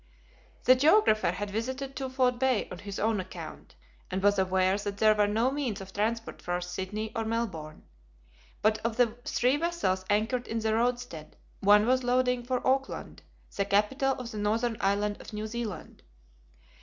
The geographer had visited Twofold Bay on his own account, and was aware that there were no means of transport for Sydney or Melbourne. But of the three vessels anchored in the roadstead one was loading for Auckland, the capital of the northern island of New Zealand.